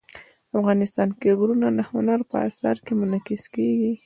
افغانستان کې غرونه د هنر په اثار کې منعکس کېږي.